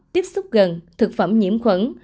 tiếp xúc gần thực phẩm nhiễm khuẩn